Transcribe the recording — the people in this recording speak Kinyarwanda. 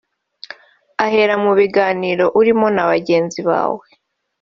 ahera mu biganiro urimo na bagenzi bawe